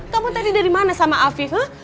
kamu tadi dari mana sama afifah